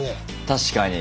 確かに。